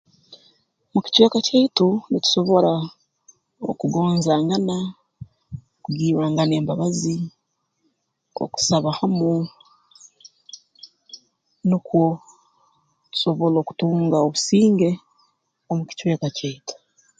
Mu kicweka kyaitu nitusobora okugonzangana kugirrangana embabazi okusaba hamu nukwo tusobole okutunga obusinge omu kicweka kyaitu